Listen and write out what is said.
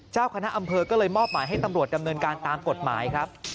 เจ้าคณะอำเภอก็เลยมอบหมายให้ตำรวจดำเนินการตามกฎหมายครับ